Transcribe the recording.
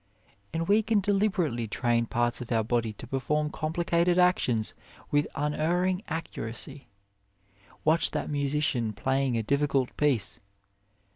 And we can deliberately train parts of our body to per form complicated actions with unerring accuracy. Watch that musician playing a difficult piece.